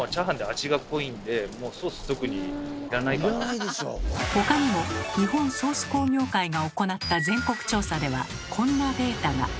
いや他にも日本ソース工業会が行った全国調査ではこんなデータが。